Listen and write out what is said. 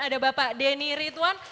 ada bapak deni ridwan